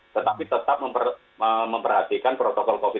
tetapi tetap memperhatikan protokol covid sembilan belas